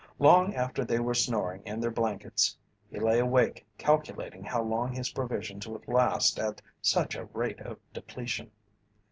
Long after they were snoring in their blankets, he lay awake calculating how long his provisions would last at such a rate of depletion.